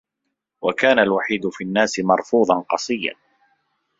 وَكَانَ الْوَحِيدُ فِي النَّاسِ مَرْفُوضًا قَصِيًّا